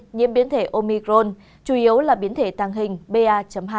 nhiễm biến thể omicron chủ yếu là biến thể tàng hình ba hai